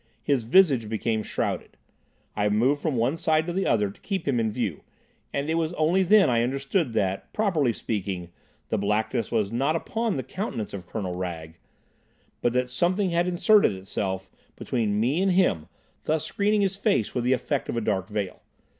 His visage became shrouded. I moved from one side to the other to keep him in view, and it was only then I understood that, properly speaking, the blackness was not upon the countenance of Colonel Wragge, but that something had inserted itself between me and him, thus screening his face with the effect of a dark veil.